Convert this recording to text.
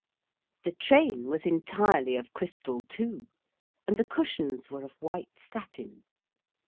The train was entirely of crystal, too, and the cushions were of white satin.